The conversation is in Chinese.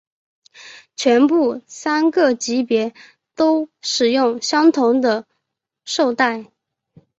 全部三个级别都使用相同的绶带。